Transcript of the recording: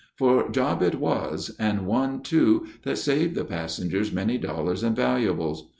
For "job" it was, and one, too, that saved the passengers many dollars and valuables.